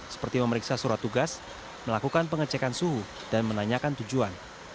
seperti memeriksa surat tugas melakukan pengecekan suhu dan menanyakan tujuan